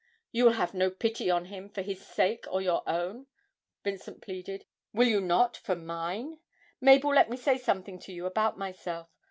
'You will have no pity on him for his sake or your own,' Vincent pleaded, 'will you not for mine? Mabel, let me say something to you about myself.